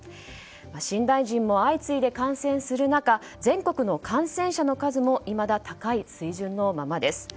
新大臣も相次いで感染する中全国の感染者の数もいまだ高い水準のままです。